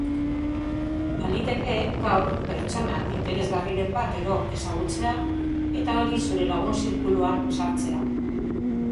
Baliteke gaur pertsona interesgarriren bat edo ezagutzea eta hori zure lagun zirkuluan sartzea.